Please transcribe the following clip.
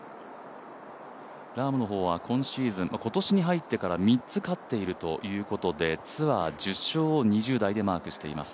ラームの方は今年に入ってから３つ勝っているということでツアー１０勝を２０代でマークしています。